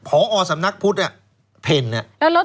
ก็ขนาดผสำนักพุทธเพ่นนะ